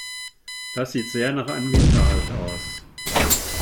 Das sieht sehr nach einem Hinterhalt aus.